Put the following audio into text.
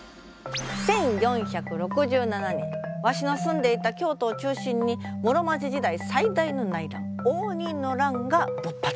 １４６７年わしの住んでいた京都を中心に室町時代最大の内乱応仁の乱が勃発。